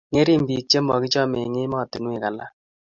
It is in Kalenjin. Ngering biik chemagichame eng emetinwek alak